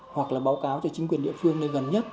hoặc là báo cáo cho chính quyền địa phương nơi gần nhất